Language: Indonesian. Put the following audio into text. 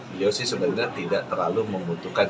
beliau sih sebenarnya tidak terlalu membutuhkan